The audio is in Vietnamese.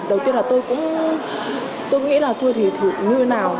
đầu tiên là tôi cũng nghĩ là tôi thì thử như thế nào